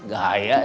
kamarnya pake ac